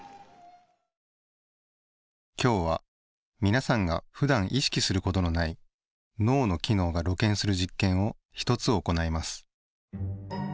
今日は皆さんがふだん意識することのない脳の機能が露見する実験を一つ行います。